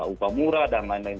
upah murah dan lain lain